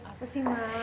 apa sih mama